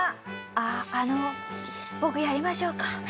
あっあの僕やりましょうか？